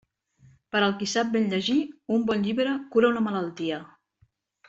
Per al qui sap ben llegir, un bon llibre cura una malaltia.